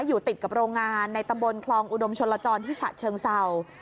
อยู่ติดกับโรงงานในตำบลคลองอุดมชนลจรที่ฉะเชิงเศร้า